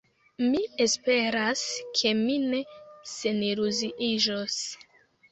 Mi esperas, ke mi ne seniluziiĝos.